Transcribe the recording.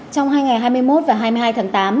trong hai ngày hai mươi một và hai mươi hai tháng tám